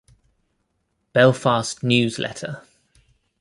"Belfast News Letter".